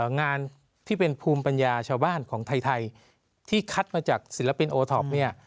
งานที่เป็นภูมิปัญญาชาวบ้านของไทยที่คัดมาจากศิลปินโอท็อปเนี่ย